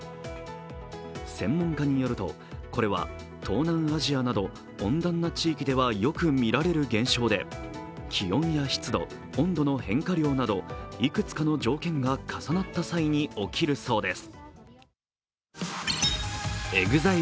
専門家によると、これは東南アジアなど温暖な地域ではよく見られる現象で、気温や湿度、温度の変化量などいくつかの条件が重なった際に起きるそうです。